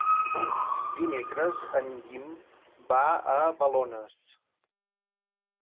Dimecres en Guim va a Balones.